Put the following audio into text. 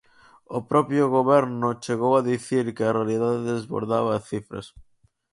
O propio Goberno chegou a dicir que a realidade desbordaba as cifras.